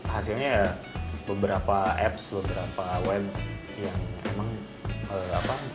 hasilnya beberapa apps beberapa web yang memang memudahkan